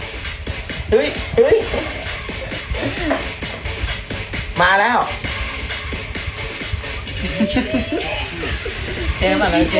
เจ๊มาแล้วเจ๊